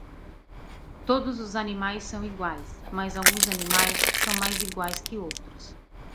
Todos os animais são iguais, mas alguns animais são mais iguais que outros.